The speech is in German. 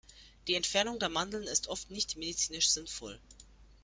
Die Entfernung der Mandeln ist oft nicht medizinisch sinnvoll.